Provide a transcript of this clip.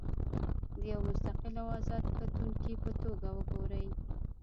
د یوه مستقل او ازاد کتونکي په توګه وګورئ.